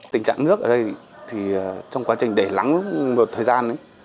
tình trạng nước ở đây trong quá trình để lắng một thời gian